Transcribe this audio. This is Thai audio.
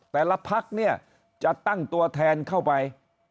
แต่ละพักเนี่ยจะตั้งตัวแทนเข้าไป